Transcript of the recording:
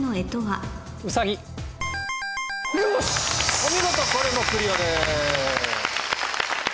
お見事これもクリアです。